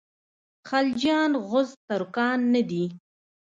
خلجیان غوز ترکان نه دي.